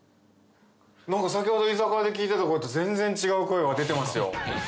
何か先ほど居酒屋で聞いてた声と全然違う声が出てますよ。